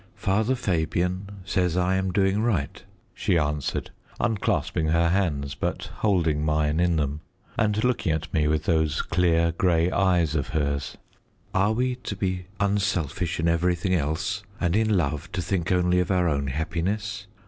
"Father Fabian says I am doing right," she answered, unclasping her hands, but holding mine in them, and looking at me with those clear, grey eyes of hers. "Are we to be unselfish in everything else, and in love to think only of our own happiness?